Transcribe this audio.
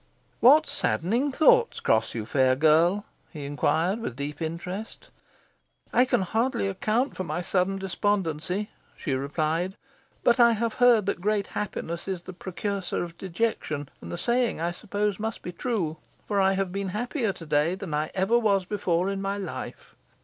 "What saddening thoughts cross you, fair girl?" he inquired, with deep interest. "I can hardly account for my sudden despondency," she replied; "but I have heard that great happiness is the precursor of dejection, and the saying I suppose must be true, for I have been happier to day than I ever was before in my life.